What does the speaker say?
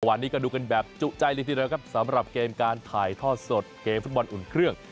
วันนี้ก็ดูกันแบบจุใจเลยทีเดียวครับสำหรับเกมการถ่ายทอดสดเกมฟุตบอลอุ่นเครื่อง